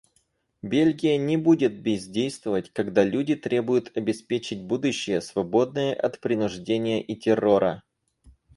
Бельгия не будет бездействовать, когда люди требуют обеспечить будущее, свободное от принуждения и террора.